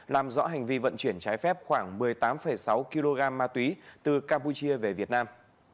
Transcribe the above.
làm rõ hành vi vận chuyển trái phép khoảng một mươi tám sáu kg ma túy từ campuchia về việt nam